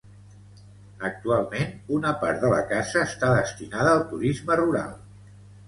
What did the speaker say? Actualment, una part de la casa està destinada al turisme rural.